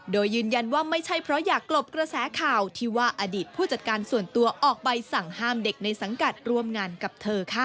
โดยยืนยันว่าไม่ใช่เพราะอยากกลบกระแสข่าวที่ว่าอดีตผู้จัดการส่วนตัวออกใบสั่งห้ามเด็กในสังกัดร่วมงานกับเธอค่ะ